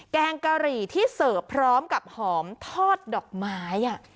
แกงกะหรี่ที่เสิร์ฟพร้อมกับหอมทอดดอกไม้